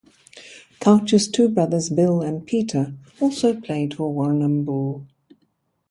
Couch's two brothers, Bill and Peter, also played for Warrnambool.